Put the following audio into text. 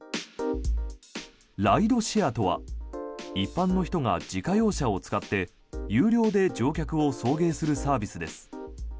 ライドシェアとは一般の人が自家用車を使って有料で乗客を送迎するサービスです。